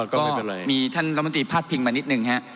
ก็มีท่านลำตรีพลาดเพลิงมานิดนึงนะครับ